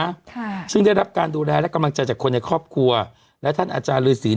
ค่ะซึ่งได้รับการดูแลและกำลังใจจากคนในครอบครัวและท่านอาจารย์ฤษี